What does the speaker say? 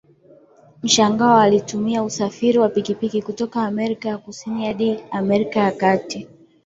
Mshangao na alitumia usafiri wa pikipiki kutoka Amerika ya Kusini hadi Amerika ya kati